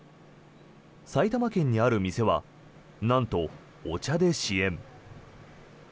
埼玉県にある店はなんとお茶で支援。